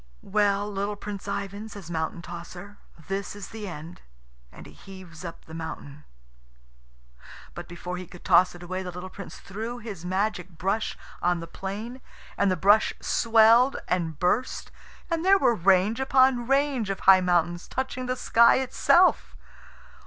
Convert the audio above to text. "Well, little Prince Ivan," says Mountain tosser, "this is the end;" and he heaves up the mountain. But before he could toss it away the little Prince threw his magic brush on the plain, and the brush swelled and burst, and there were range upon range of high mountains, touching the sky itself.